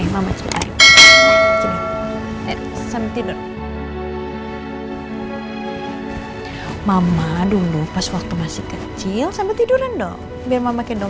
eh tidurnya bener sayangku